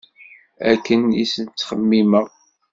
Akken i s-ttxemmimeɣ.